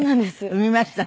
産みましたね。